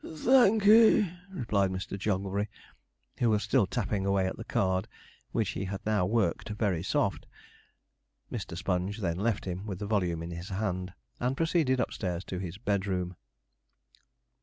'Thank'ee,' replied Mr. Jogglebury, who was still tapping away at the card, which he had now worked very soft. Mr. Sponge then left him with the volume in his hand, and proceeded upstairs to his bedroom.